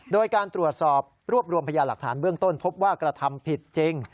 โดยการตรวจสอบรวบรวมพยาหลักฐานเบื้องต้นพบว่ากระทำผิดจริง